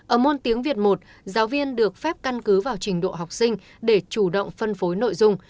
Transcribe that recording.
ở môn tiếng việt một giáo viên được phép căn cứ vào trình độ học sinh để chủ động phân phối nội dung